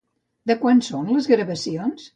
De quan són les gravacions?